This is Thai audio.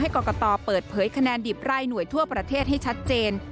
กรกตเปิดเผยคะแนนดิบไร่หน่วยทั่วประเทศให้ชัดเจน